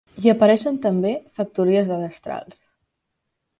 Hi apareixen també factories de destrals.